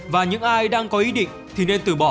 và những ai đang có ý định